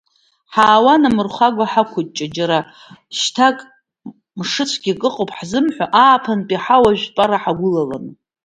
Ҳаауан амырхәага ҳақәҷҷо, џьара шьҭак, мшцәгьак ыҟоуп ҳзымҳәо, ааԥынтәи ҳауа жәпара ҳагәылаланы.